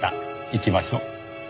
行きましょう。